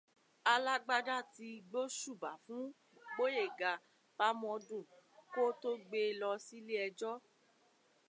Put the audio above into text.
Alágbádá ti gbóṣùbà fún Gbóyèga Fámọdún kó tó gbée lọ sílé ẹjọ́